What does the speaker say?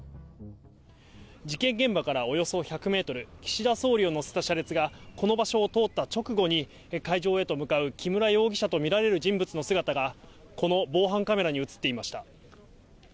事件現場からおよそ１００メートル、岸田総理を乗せた車列がこの場所を通った直後に、会場へと向かう木村容疑者と見られる人物の姿が、この防犯カメラに写っていました。